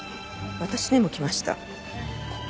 私にも来ました。